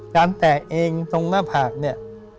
แตะเองตรงหน้าผากเนี่ย